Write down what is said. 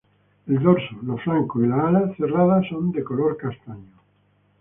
El dorso, los flancos y las alas cerradas son de color castaño.